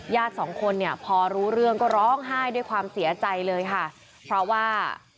ญาติสองคนเนี่ยพอรู้เรื่องก็ร้องไห้ด้วยความเสียใจเลยค่ะเพราะว่า